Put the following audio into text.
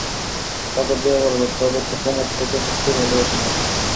তারপর জয়া বলিল, তবে তো কুমুদ তোকে সত্যিই ভালোবাসে মতি?